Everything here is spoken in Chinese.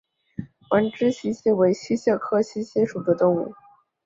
弯肢溪蟹为溪蟹科溪蟹属的动物。